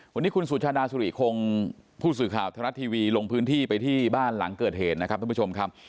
วันนี้คุณสุชาดาสุริคงผู้สื่อข่าวธนรัฐทีวีลงพื้นที่ไปที่บ้านหลังเกิดเหตุนะครับท่านผู้ชมครับ